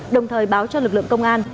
đồng thời báo cho lực lượng công an